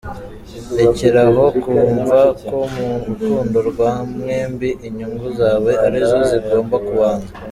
Rekera aho kumva ko mu rukundo rwa mwembi inyungu zawe ari zo zigomba kubanza.